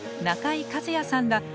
中井和哉さんら